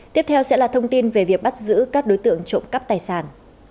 tiếp theo sẽ là thông tin về việc bắt giữ các đối tượng trộm cắp tài sản